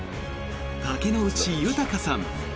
竹野内豊さん